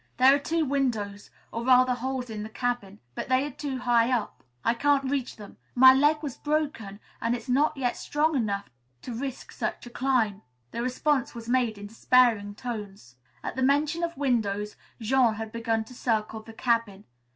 "There are two windows, or rather holes in the cabin, but they are too high up. I can't reach them. My leg was broken and it's not strong enough yet to risk such a climb." This response was made in despairing tones. At the mention of windows, Jean had begun to circle the cabin.